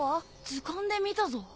図鑑で見たぞ。